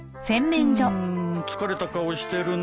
うん疲れた顔をしてるな。